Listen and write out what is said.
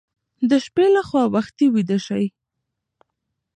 د شپې لخوا وختي ویده شئ.